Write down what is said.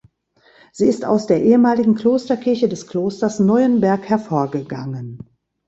Sie ist aus der ehemaligen Klosterkirche des Klosters Neuenberg hervorgegangen.